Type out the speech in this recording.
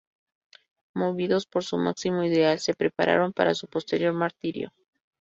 Movidos por su máximo ideal, se prepararon para su posterior martirio.